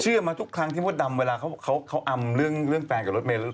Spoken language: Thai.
มาทุกครั้งที่มดดำเวลาเขาอำเรื่องแฟนกับรถเมย์